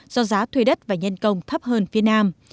do giá thuê đất và nhân công thấp hơn phía nam